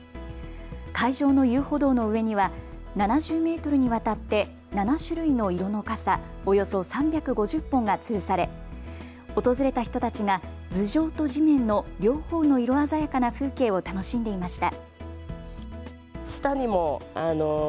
会場の遊歩道の上には７０メートルにわたって７種類の色の傘およそ３５０本がつるされ訪れた人たちが頭上と地面の両方の色鮮やかな風景を楽しんでいました。